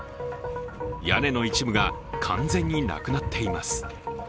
屋根の一部が完全になくなっています。